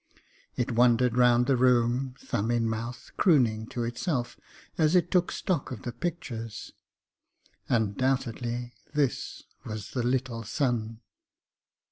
It wandered round the room, thumb in mouth, crooning to itself as it took stock of the pictures. Undoubtedly this was the 'little son.'